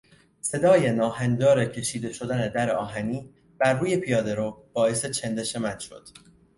صدای ناهنجار کشیده شدن در آهنی بر روی پیادهرو باعث چندش من شد.